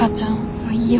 もういいよ。